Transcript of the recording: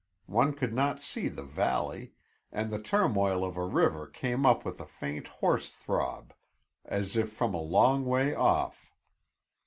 One could not see the valley, and the turmoil of a river came up with a faint hoarse throb as if from a long way off.